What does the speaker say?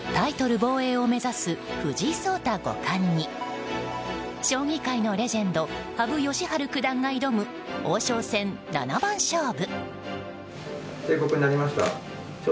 防衛を目指す藤井聡太五冠に将棋界のレジェンド羽生善治九段が挑む王将戦七番勝負。